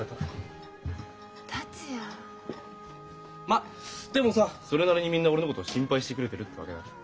まっでもさそれなりにみんな俺のこと心配してくれてるってわけだね。